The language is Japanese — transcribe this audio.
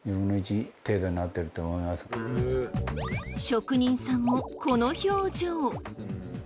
職人さんもこの表情。